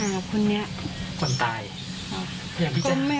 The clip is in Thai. ค่ะห่างกับใครคนตายพยายามที่จะห่างคุณเนี่ย